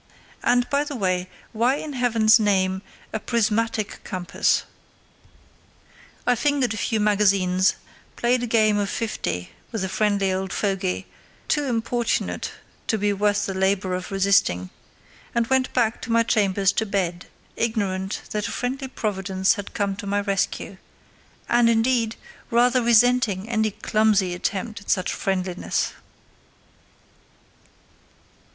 And, by the way, why in Heaven's name "a prismatic compass"? I fingered a few magazines, played a game of fifty with a friendly old fogey, too importunate to be worth the labour of resisting, and went back to my chambers to bed, ignorant that a friendly Providence had come to my rescue; and, indeed, rather resenting any clumsy attempt at such friendliness.